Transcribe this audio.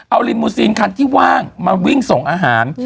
เอาลิมมูซีนคันที่ว่างมาวิ่งส่งอาหาร